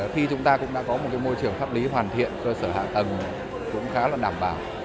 khi chúng ta cũng đã có một môi trường pháp lý hoàn thiện cơ sở hạ tầng cũng khá là đảm bảo